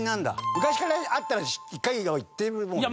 昔からあったら１回は行ってるもんね。